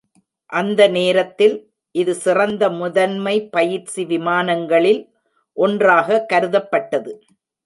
அந்த நேரத்தில், இது சிறந்த முதன்மை பயிற்சி விமானங்களில் ஒன்றாக கருதப்பட்டது.